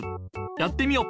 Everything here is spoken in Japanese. やってみよ。